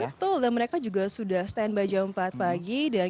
betul dan mereka juga sudah stand by jam empat pagi